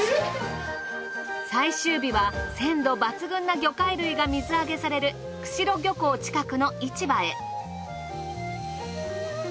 最終日は鮮度抜群な魚介類が水揚げされる釧路漁港近くの市場へ。